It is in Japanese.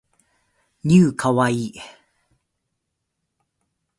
new kawaii